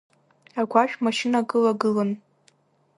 Агәашә машьынак ылагылан.